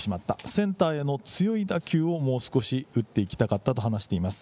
センターへの強い打球をもう少し打っていきたかったと話しています。